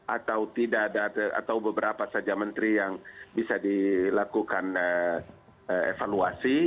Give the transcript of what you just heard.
atau tidak ada atau beberapa saja menteri yang bisa dilakukan evaluasi